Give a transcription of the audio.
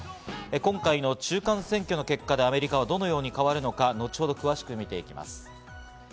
今回の中間選挙の結果でアメリカはどのように変わるのか、後ほど詳しくみていきます。